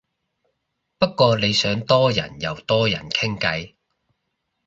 不過你想多人又多人傾偈